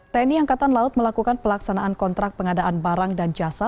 tni angkatan laut melakukan pelaksanaan kontrak pengadaan barang dan jasa